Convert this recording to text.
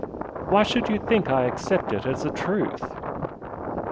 Why should you think I accept it as a truth?"